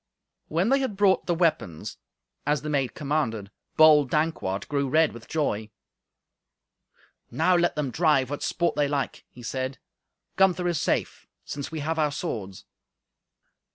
When they had brought the weapons, as the maid commanded, bold Dankwart grew red with joy. "Now let them drive what sport they like," he said; "Gunther is safe, since we have our swords."